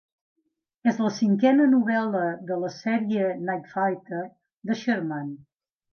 És la cinquena novel·la de la sèrie Night Fighter de Sherman.